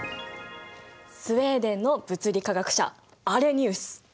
スウェーデンの物理化学者アレニウス。